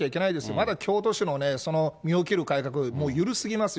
まだ京都市の身を切る改革、緩すぎますよ。